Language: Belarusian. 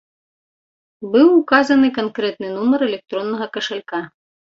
Быў указаны канкрэтны нумар электроннага кашалька.